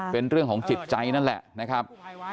เป็นเรื่องของจิตใจนั่นแหละนะครับ